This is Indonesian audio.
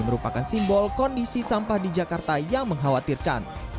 merupakan simbol kondisi sampah di jakarta yang mengkhawatirkan